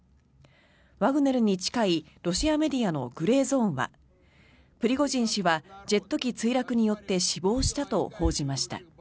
ワグネルに近いロシアメディアのグレーゾーンはプリゴジン氏はジェット機墜落によって死亡したと報じました。